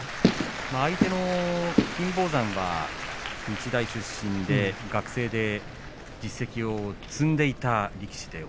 相手の金峰山は日大出身の学生で実績を積んでいった力士です。